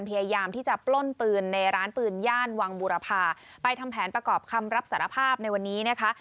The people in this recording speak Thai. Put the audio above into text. พยายามที่จะปล้นปืนในร้านปืนย่านวังบูรพาไปทำแผนประกอบคำรับสารภาพในวันนี้นะคะ